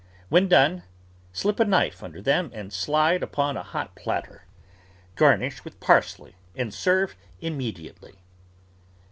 When done, slip a knife under them and slide upon a hot platter. Garnish with parsley and serve immediately.